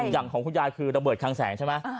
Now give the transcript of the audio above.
อย่างของคุณยายคือระเบิดคังแสงใช่ไหม